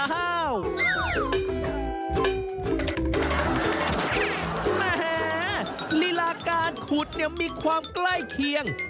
แม่ฮ่าฤลากาศขุดมีความใกล้เคียง